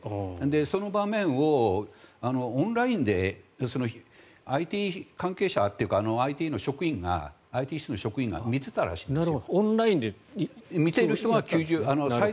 その場面を、オンラインでＩＴ関係者というかＩＴ室の職員が見ていたらしいんですよ。